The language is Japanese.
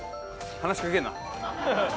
話しかけんな。